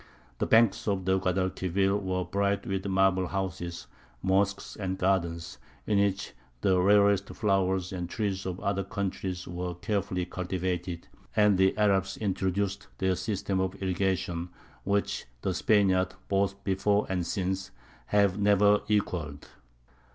The banks of the Guadalquivir were bright with marble houses, mosques, and gardens, in which the rarest flowers and trees of other countries were carefully cultivated, and the Arabs introduced their system of irrigation, which the Spaniards, both before and since, have never equalled.